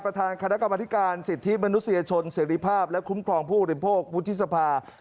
ประธานคณะกรรมธิการสิทธิมนุษยชนเสร็จภาพและคุ้มครองผู้บริโภควุฒิสภา